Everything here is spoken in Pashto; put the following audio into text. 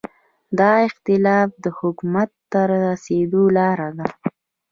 دا اختلاف د حکومت ته رسېدو لاره ده.